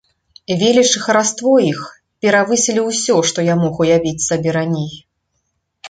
Веліч і хараство іх перавысілі ўсё, што я мог уявіць сабе раней.